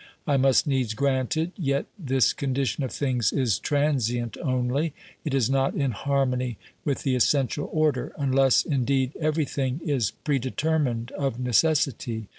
I must needs grant it, yet this condition of things is transient only ; it is not in harmony with the essential order, unless, indeed, everything is pre determined of necessity.